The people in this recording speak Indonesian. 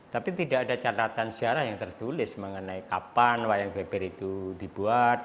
tapi tidak ada catatan sejarah yang tertulis mengenai kapan wayang beber itu dibuat